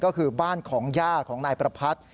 ก็คือบ้านของย่าของนายประพัทธ์